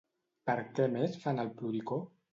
Per què més fan el ploricó?